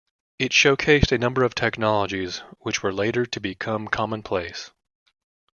It showcased a number of technologies which were later to become commonplace.